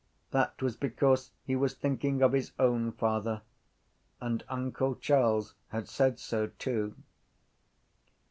That was because he was thinking of his own father. And uncle Charles had said so too.